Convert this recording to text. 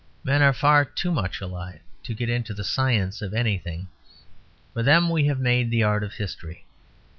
Men are far too much alive to get into the science of anything; for them we have made the art of history.